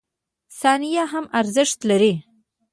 • ثانیه هم ارزښت لري.